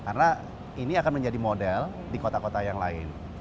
karena ini akan menjadi model di kota kota yang lain